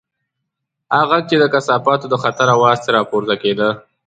هغه غږ چې د کثافاتو د خطر اواز ترې راپورته کېده.